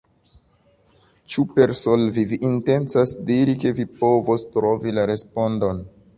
Ĉu per 'solvi' vi intencas diri ke vi povos trovi la respondon?